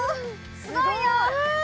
すごいよ！